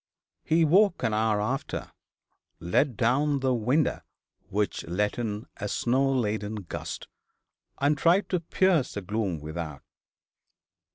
He woke an hour after, let down the window, which let in a snow laden gust, and tried to pierce the gloom without.